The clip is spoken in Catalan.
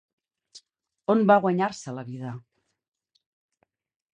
On va guanyar-se la vida?